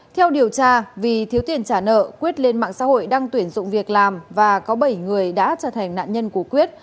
theo điều tra vì thiếu tiền trả nợ quyết lên mạng xã hội đang tuyển dụng việc làm và có bảy người đã trở thành nạn nhân của quyết